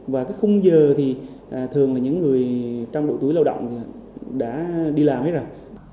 và cái khung giờ thì thường là những người trong độ tuổi lao động đã đi làm hết rồi